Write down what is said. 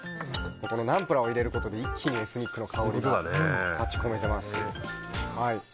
このナンプラーを入れることで一気にエスニックな香りが立ち込めてます。